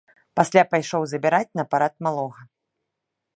Пасля пайшоў забіраць на парад малога.